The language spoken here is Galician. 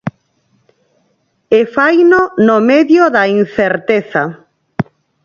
E faino no medio da incerteza.